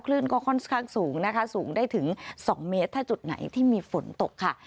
คลื่นก็ค่อนข้างสูงนะคะสูงได้ถึง๒เมตรถ้าจุดไหนที่มีฝนตกค่ะ